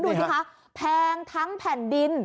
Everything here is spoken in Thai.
ดูสิคะแพงทั้งแผ่นดิน